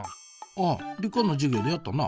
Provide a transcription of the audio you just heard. あっ理科の授業でやったな。